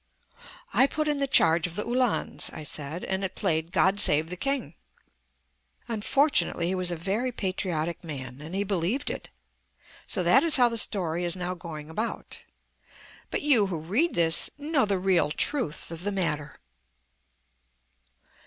"I put in 'The Charge of the Uhlans,'" I said, "and it played 'God Save the King.'" Unfortunately he was a very patriotic man, and he believed it. So that is how the story is now going about. But you who read this know the real truth of the matter.